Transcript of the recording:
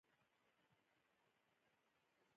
ازادي راډیو د ورزش کیسې وړاندې کړي.